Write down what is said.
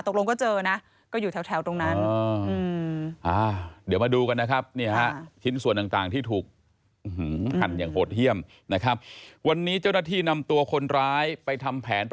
ตกลงก็เจอนะก็อยู่แถวตรงนั้น